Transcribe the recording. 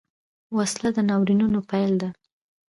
وسله د ناورینونو پیل ده